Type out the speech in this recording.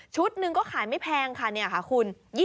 หนึ่งก็ขายไม่แพงค่ะเนี่ยค่ะคุณ